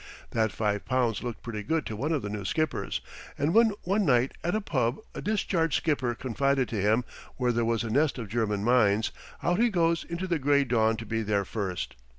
That five pounds looked pretty good to one of the new skippers; and when one night at a pub a discharged skipper confided to him where there was a nest of German mines, out he goes into the gray dawn to be there first.